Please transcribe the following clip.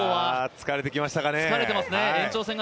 疲れてきましたかね。